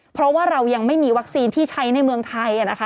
เพราะว่าเรายังไม่มีวัคซีนที่ใช้ในเมืองไทยนะคะ